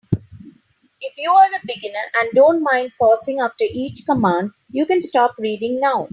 If you are a beginner and don't mind pausing after each command, you can stop reading now.